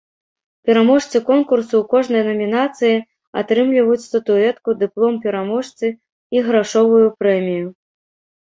Пераможцы конкурсу ў кожнай намінацыі атрымліваюць статуэтку, дыплом пераможцы і грашовую прэмію.